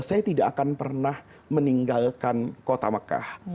saya tidak akan pernah meninggalkan kota mekah